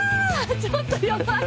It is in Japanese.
ちょっとヤバい。